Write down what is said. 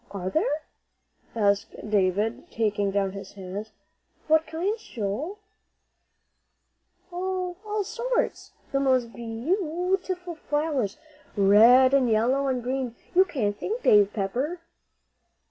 "Are there?" asked David, taking down his hands. "What kinds, Joel?" "Oh, all sorts. The most be yewtiful flowers, red and yellow and green, you can't think, Dave Pepper."